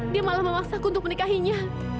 dia malah memaksaku untuk menikahinya